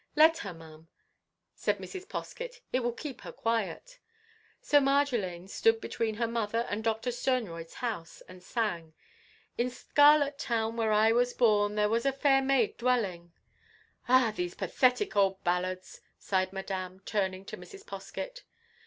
"Let her, Ma'am," said Mrs. Poskett, "'t will keep her quiet." So Marjolaine stood between her mother and Doctor Sternroyd's house, and sang. "In Scarlet Town, where I was born There was a fair Maid dwellin'—" "Ah! these pathetic old ballads!" sighed Madame, turning to Mrs. Poskett.